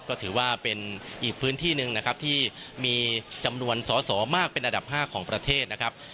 ก็ถือว่าเป็นอีกพื้นที่หนึ่งนะครับที่มีจำนวนสอสอมากเป็นอันดับ๕ของประเทศนะครับ